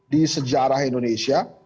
di sejarah indonesia